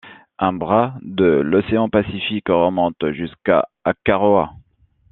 Un bras de l'océan Pacifique, remonte jusqu'à Akaroa.